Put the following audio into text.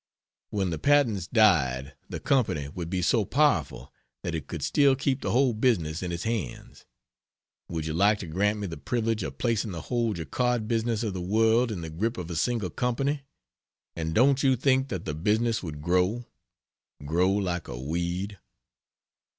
When the patents died the Company would be so powerful that it could still keep the whole business in its hands. Would you like to grant me the privilege of placing the whole jacquard business of the world in the grip of a single Company? And don't you think that the business would grow grow like a weed?"